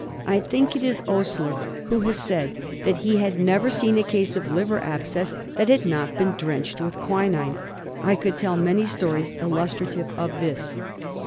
I think it is Osier who has said that he had never seen a case of Liver Abscess that had not been drenched with quinine. I could tell many stories illustrative of this.